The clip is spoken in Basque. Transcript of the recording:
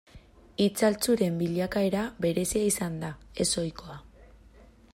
Itzaltzuren bilakaera berezia izan da, ez ohikoa.